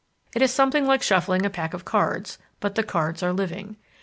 It is something like shuffling a pack of cards, but the cards are living.